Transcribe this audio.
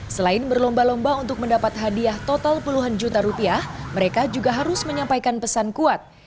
selain berlomba lomba untuk mendapat hadiah total puluhan juta rupiah mereka juga harus menyampaikan pesan kuat